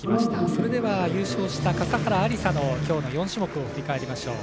それでは優勝した笠原有彩のきょうの４種目を振り返りましょう。